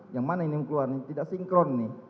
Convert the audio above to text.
yang mana ini yang keluar ini tidak sinkron nih